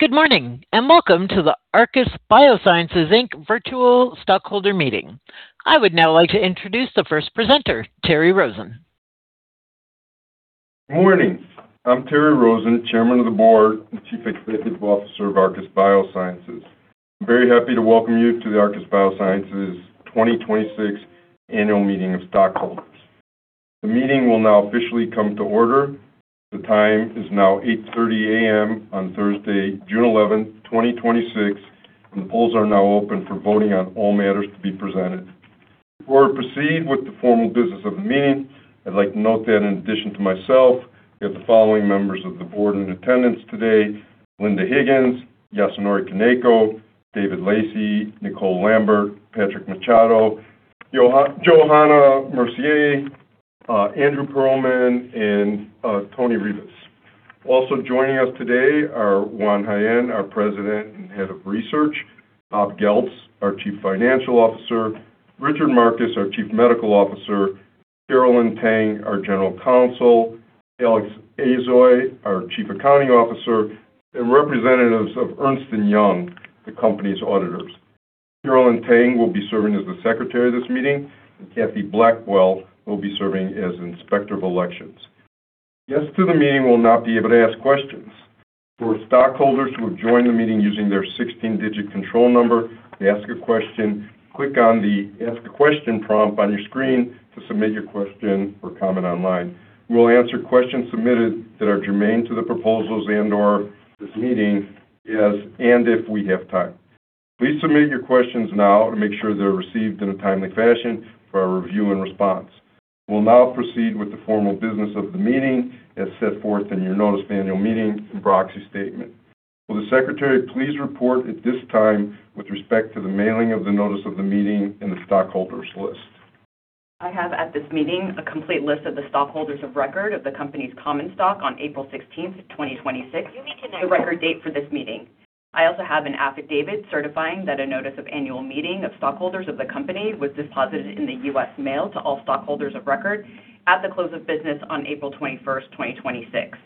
Good morning, and welcome to the Arcus Biosciences, Inc. virtual stockholder meeting. I would now like to introduce the first presenter, Terry Rosen. Morning. I'm Terry Rosen, Chairman of the Board and Chief Executive Officer of Arcus Biosciences. I'm very happy to welcome you to the Arcus Biosciences 2026 Annual Meeting of Stockholders. The meeting will now officially come to order. The time is now 8:30 A.M. on Thursday, June 11, 2026. The polls are now open for voting on all matters to be presented. Before I proceed with the formal business of the meeting, I'd like to note that in addition to myself, we have the following members of the board in attendance today: Linda Higgins, Yasunori Kaneko, David Lacey, Nicole Lambert, Patrick Machado, Johanna Mercier, Andy Perlman, and Antoni Ribas. Also joining us today are Juan Jaen, our President and Head of Research, Bob Goeltz, our Chief Financial Officer, Richard Markus, our Chief Medical Officer, Carolyn Tang, our General Counsel, Alexander Azoy, our Chief Accounting Officer, and representatives of Ernst & Young, the company's auditors. Carolyn Tang will be serving as the secretary of this meeting, and Kathy Blackwell will be serving as inspector of elections. Guests to the meeting will not be able to ask questions. For stockholders who have joined the meeting using their 16-digit control number, to ask a question, click on the Ask a Question prompt on your screen to submit your question or comment online. We will answer questions submitted that are germane to the proposals and/or this meeting as and if we have time. Please submit your questions now to make sure they're received in a timely fashion for our review and response. We will now proceed with the formal business of the meeting as set forth in your Notice of Annual Meeting and Proxy Statement. Will the secretary please report at this time with respect to the mailing of the notice of the meeting and the stockholders list? I have at this meeting a complete list of the stockholders of record of the company's common stock on April 16th, 2026. You may disconnect the record date for this meeting. I also have an affidavit certifying that a notice of annual meeting of stockholders of the company was deposited in the U.S. mail to all stockholders of record at the close of business on April 21st, 2026.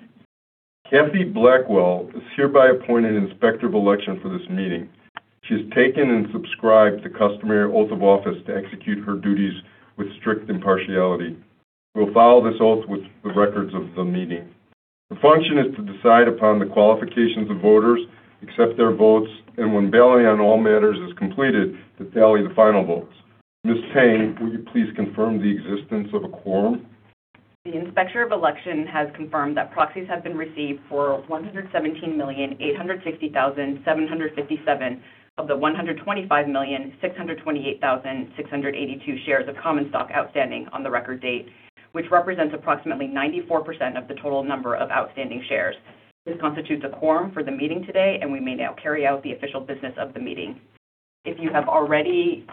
Kathy Blackwell is hereby appointed inspector of election for this meeting. She has taken and subscribed the customary oath of office to execute her duties with strict impartiality. We will file this oath with the records of the meeting. Her function is to decide upon the qualifications of voters, accept their votes, and when balloting on all matters is completed, to tally the final votes. Ms. Tang, would you please confirm the existence of a quorum? The inspector of election has confirmed that proxies have been received for 117,860,757 of the 125,628,682 shares of common stock outstanding on the record date, which represents approximately 94% of the total number of outstanding shares. This constitutes a quorum for the meeting today. We may now carry out the official business of the meeting. If you have already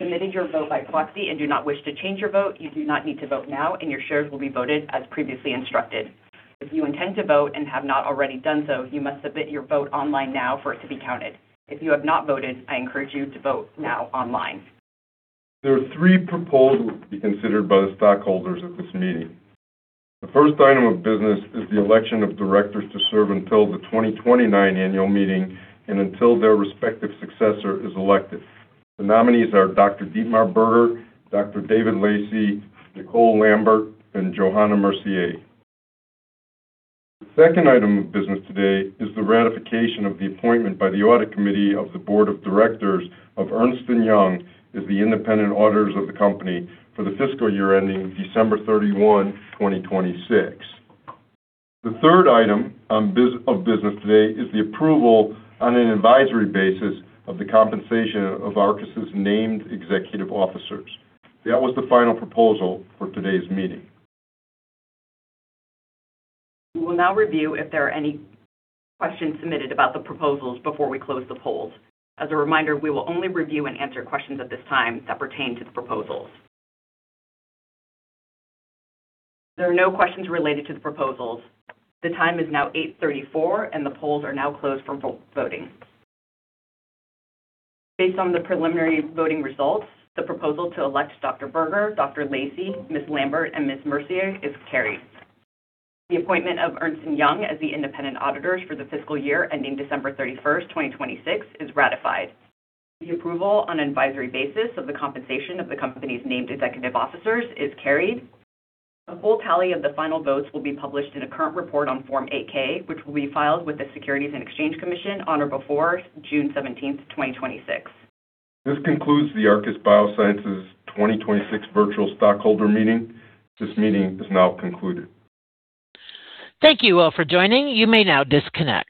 submitted your vote by proxy and do not wish to change your vote, you do not need to vote now and your shares will be voted as previously instructed. If you intend to vote and have not already done so, you must submit your vote online now for it to be counted. If you have not voted, I encourage you to vote now online. There are three proposals to be considered by the stockholders at this meeting. The first item of business is the election of directors to serve until the 2029 annual meeting and until their respective successor is elected. The nominees are Dr. Dietmar Berger, Dr. David Lacey, Nicole Lambert, and Johanna Mercier. The second item of business today is the ratification of the appointment by the Audit Committee of the Board of Directors of Ernst & Young as the independent auditors of the company for the fiscal year ending December 31, 2026. The third item of business today is the approval on an advisory basis of the compensation of Arcus's named executive officers. That was the final proposal for today's meeting. We will now review if there are any questions submitted about the proposals before we close the polls. As a reminder, we will only review and answer questions at this time that pertain to the proposals. There are no questions related to the proposals. The time is now 8:34 A.M. The polls are now closed for voting. Based on the preliminary voting results, the proposal to elect Dr. Berger, Dr. Lacey, Ms. Lambert, and Ms. Mercier is carried. The appointment of Ernst & Young as the independent auditors for the fiscal year ending December 31, 2026 is ratified. The approval on an advisory basis of the compensation of the company's named executive officers is carried. A full tally of the final votes will be published in a current report on Form 8-K, which will be filed with the Securities and Exchange Commission on or before June 17th, 2026. This concludes the Arcus Biosciences 2026 virtual stockholder meeting. This meeting is now concluded. Thank you all for joining. You may now disconnect.